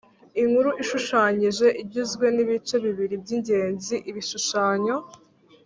Inkuru ishushanyije igizwe n ibice bibiri by ingenzi ibishushanyo